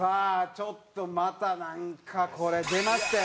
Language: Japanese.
ちょっとまたなんかこれ出ましたよ